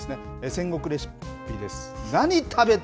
戦国レシピです。